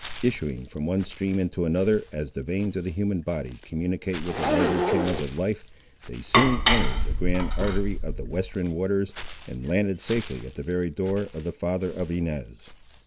Issuing from one stream into another, as the veins of the human body communicate with the larger channels of life, they soon entered the grand artery of the western waters, and landed safely at the very door of the father of Inez.